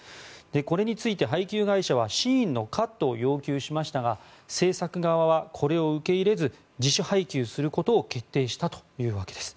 これについて配給会社はシーンのカットを要求しましたが製作側は、これを受け入れず自主配給することを決定したというわけです。